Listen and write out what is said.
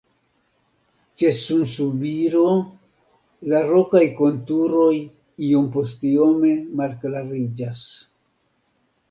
Ĉe sunsubiro la rokaj konturoj iompostiome malklariĝas.